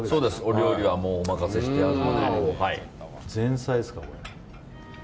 お料理はお待たせしてあるので。